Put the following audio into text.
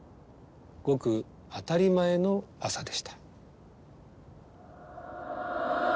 ごく当たり前の朝でした。